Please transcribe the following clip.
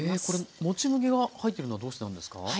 これもち麦が入っているのはどうしてなんですか？